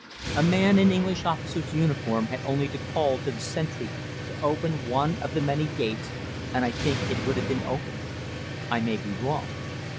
A man in English officer's uniform had only to call to the sentry to open one of the many gates and I think it would have been opened. I may be wrong.